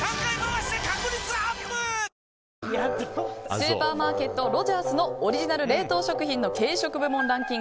スーパーマーケットロヂャースのオリジナル冷凍食品の軽食部門ランキング